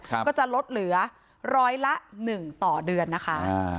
ก็จะลดเหลือร้อยละ๑ต่อเดือนนะคะ